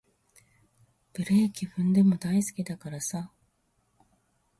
ブレーキ踏んでも大好きだからさ